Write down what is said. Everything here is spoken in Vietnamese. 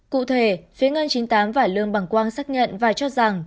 cụ thể phía ngân chín mươi tám và lương bằng quang xác nhận và cho rằng